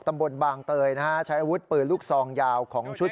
ตำบลบางเตยนะฮะใช้อาวุธปืนลูกซองยาวของชุด